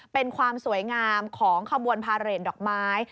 เป็นความสวยงามของขบวนพาเรทดอกไม้